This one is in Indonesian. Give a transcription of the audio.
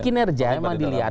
kinerja memang dilihat